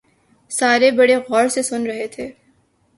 سارے بڑے غور سے سن رہے تھے